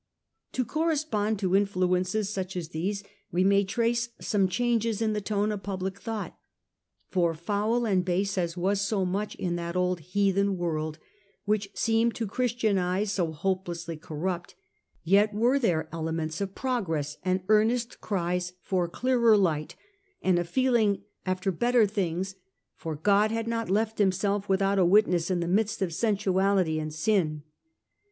To correspond to influences such as these we may trace some changes in the tone of public thought. For foul and base as was so much in that old heathen world, which seemed to Christian eyes so hopelessly corrupt, yet were there elements of progress, and earnest cries for clearer light, and a feeling after better things, for God had not left Himself without a witness in the midst of sensuality and sin.